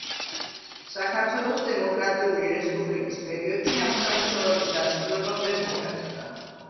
საქართველოს დემოკრატიული რესპუბლიკის პერიოდში ამ სამუშაოების დასრულება ვერ მოხერხდა.